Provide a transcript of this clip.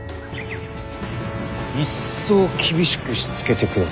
一層厳しくしつけてくだされ。